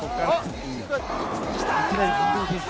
来た！